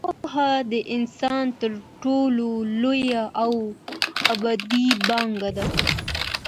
پوهه د انسان تر ټولو لویه او ابدي پانګه ده.